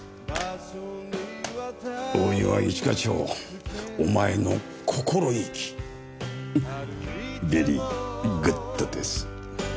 大岩一課長お前の心意気ベリーグッドです。